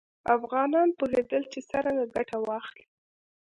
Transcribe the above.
افغانان پوهېدل چې څرنګه ګټه واخلي.